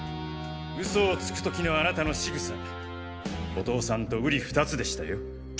嘘をつくときのあなたの仕草お父さんと瓜二つでしたよ。